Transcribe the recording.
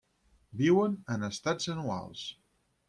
Viuen en estats anuals.